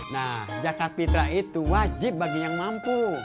nah zakat fitrah itu wajib bagi yang mampu